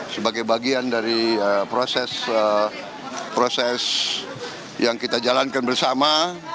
sebagai bagian dari proses yang kita jalankan bersama